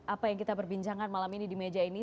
apa yang kita perbincangkan malam ini di meja ini